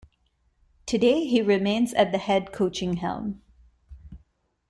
Today, he remains at the head coaching helm.